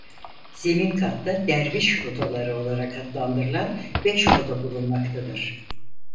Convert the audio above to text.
Zemin katta "derviş odaları" olarak adlandırılan beş oda bulunmaktadır.